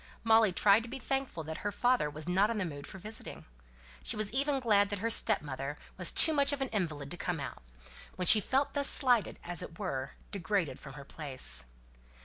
Molly tried to be thankful that her father was not in the mood for visiting. She was even glad that her stepmother was too much of an invalid to come out, when she felt thus slighted, and as it were, degraded from her place.